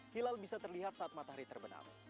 hilal bisa terlihat saat matahari terbenam